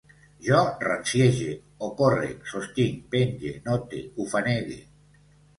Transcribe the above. Jo ranciege, ocórrec, sostinc, penge, note, ufanege